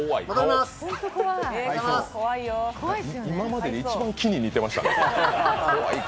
今までで一番木に似てましたね。